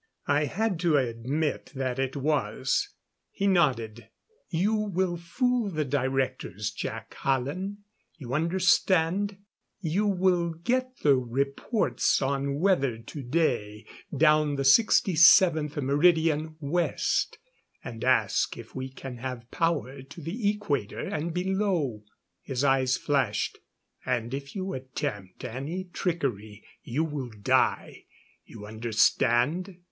I had to admit that it was. He nodded. "You will fool the Directors, Jac Hallen. You understand? You will get the reports on weather today down the 67th Meridian West. And ask if we can have power to the Equator and below." His eyes flashed. "And if you attempt any trickery you will die. You understand?"